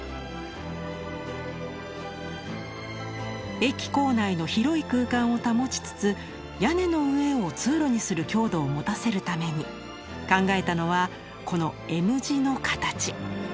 駅構内の広い空間を保ちつつ屋根の上を通路にする強度を持たせるために考えたのはこのＭ字の形。